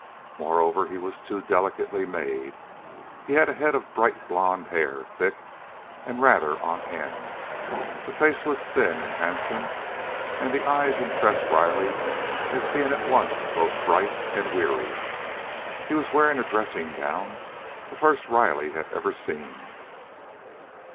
Moreover, he was too delicately made. He had a head of bright blond hair, thick and rather on end. The face was thin and handsome, and the eyes impressed Riley as being at once both bright and weary. He was wearing a dressing gown, the first Riley had ever seen.